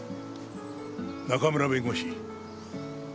中村弁護士。